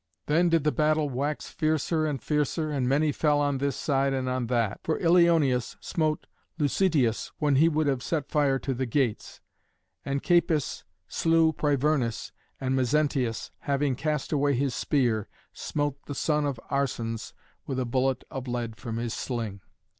Then did the battle wax fiercer and fiercer, and many fell on this side and on that. For Ilioneus smote Lucetius when he would have set fire to the gates, and Capys slew Privernus, and Mezentius, having cast away his spear, smote the son of Arcens with a bullet of lead from his sling.